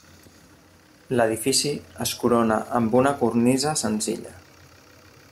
L'edifici es corona amb una cornisa senzilla.